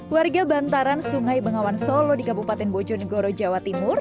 warga bantaran sungai bengawan solo di kabupaten bojonegoro jawa timur